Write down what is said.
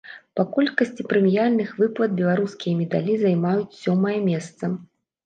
Па колькасці прэміяльных выплат беларускія медалі займаюць сёмае месца.